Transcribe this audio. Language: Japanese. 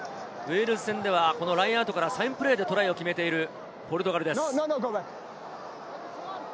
ウェールズ戦ではラインアウトからサインプレーでトライを取っています。